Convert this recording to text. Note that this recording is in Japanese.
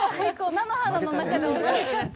菜の花の中で踊れちゃった。